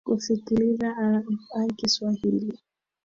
kusikiliza rfi kiswahili